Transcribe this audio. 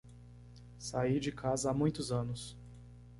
Saí de casa há muitos anos.